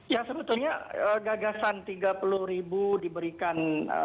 ya sebetulnya gagasan rp tiga puluh diberikan